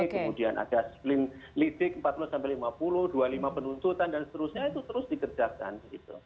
kemudian ada splin lidik empat puluh sampai lima puluh dua puluh lima penuntutan dan seterusnya itu terus dikerjakan begitu